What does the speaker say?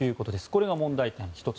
これが問題点